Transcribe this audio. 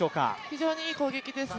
非常にいい攻撃です。